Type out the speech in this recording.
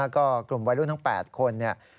ก็กลุ่มวัยรุ่นทั้ง๘คน